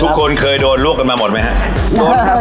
ทุกคนเคยโดนลวกมาหมดมาหมดไหมฮะ